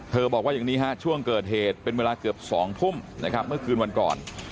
บอกว่าอย่างนี้ฮะช่วงเกิดเหตุเป็นเวลาเกือบ๒ทุ่มนะครับเมื่อคืนวันก่อน